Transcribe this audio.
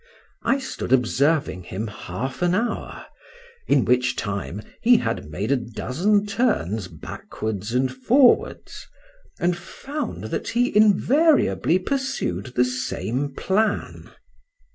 I stood observing him half an hour, in which time he had made a dozen turns backwards and forwards, and found that he invariably pursued the same plan.